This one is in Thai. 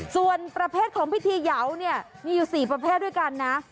ส่วนประเภทของพิธีเหยาวเนี่ยมีอยู่๔ประเภทด้วยกันนะ